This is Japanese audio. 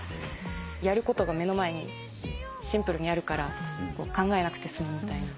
やることが目の前にシンプルにあるから考えなくて済むみたいな。